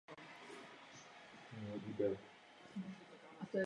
Nezapomeňme, že tržní ekonomika vytváří prosperitu.